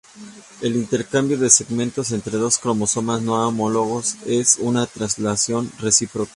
El intercambio de segmento entre dos cromosomas no homólogos es una translocación recíproca.